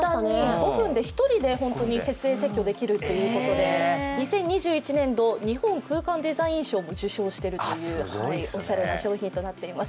５分で１人で設営・撤去できるということで、２０２１年日本空間デザイン賞も受賞しているというおしゃれな商品となっています。